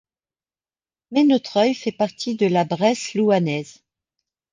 Ménetreuil fait partie de la Bresse louhannaise.